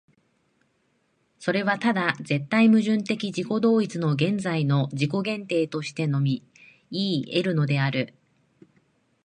それはただ絶対矛盾的自己同一の現在の自己限定としてのみいい得るのである。